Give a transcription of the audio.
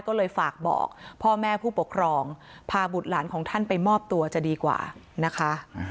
ก็เลยฝากบอกพ่อแม่ผู้ปกครองพาบุตรหลานของท่านไปมอบตัวจะดีกว่านะคะ